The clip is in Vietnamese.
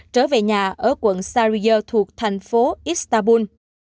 trở về nhà ở quận sari thuộc thành phố istanbul